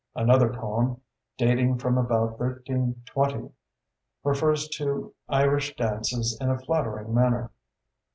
Another poem, dating from about 1320, refers to Irish dances in a flattering manner.